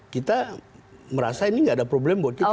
kita merasa ini gak ada problem buat kita